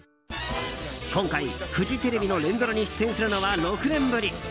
今回、フジテレビの連ドラに出演するのは６年ぶり。